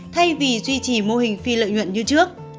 thay vì duy trì mô hình phi lợi nhuận như trước